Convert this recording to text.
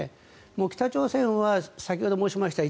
もう北朝鮮は先ほど申しました